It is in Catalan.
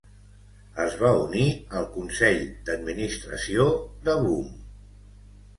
Es va unir al consell d'administració de Boom!